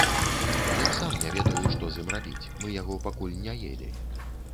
Я сам не ведаю, што з ім рабіць, мы яго пакуль не елі.